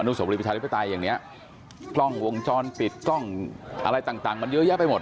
อนุสมวิชาธิปไตรอย่างนี้คล่องวงจรปิดคล่องอะไรต่างมันเยอะแยะไปหมด